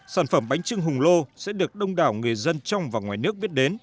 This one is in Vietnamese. sản phẩm bánh trưng hùng lô sẽ được đông đảo người dân trong và ngoài nước biết đến